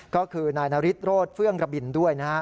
ก็คือนายนาริสโรธเฟื่องระบินด้วยนะฮะ